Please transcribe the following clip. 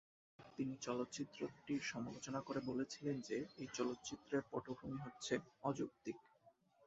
তিনি চলচ্চিত্রটির সমালোচনা করে বলেছিলেন যে, "এই চলচ্চিত্রের পটভূমি হচ্ছে 'অযৌক্তিক'"।